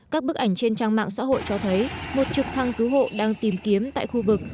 các bức ảnh trên trang mạng xã hội cho thấy một trực thăng cứu hộ đang tìm kiếm tại khu vực